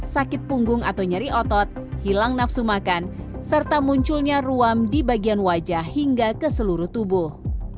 sakit punggung atau nyeri otot hilang nafsu makan serta munculnya ruam di bagian wajah hingga ke seluruh tubuh